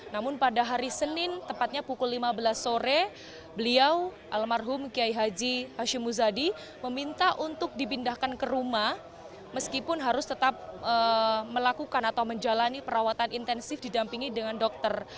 namun pada hari senin tepatnya pukul lima belas sore beliau almarhum kiai haji hashim muzadi meminta untuk dipindahkan ke rumah meskipun harus tetap melakukan atau menjalani perawatan intensif didampingi dengan dokter